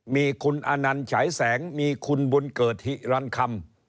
มีคุณอนันต์ฉายแสงมีคุณบุญเกิดหิรันคำ